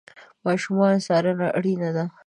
د ماشومانو څارنه اړینه ده.